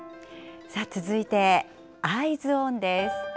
続いて、Ｅｙｅｓｏｎです。